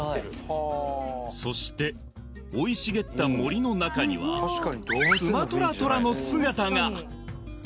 そして生い茂った森の中にはスマトラトラの姿が！